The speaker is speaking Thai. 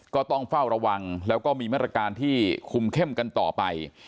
ก็ต้องเฝ้าระวังแล้วก็มีมาตรการที่คุมเข้มกันต่อไป